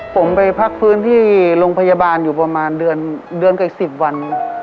ผมไปพักฟื้นที่โรงพยาบาลอยู่ประมาณเดือนกับ๑๐วัน